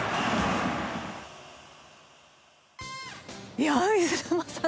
いや水沼さん